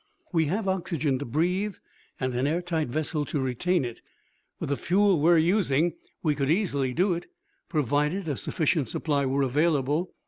We have oxygen to breathe and an air tight vessel to retain it. With the fuel we are using, we could easily do it, provided a sufficient supply were available.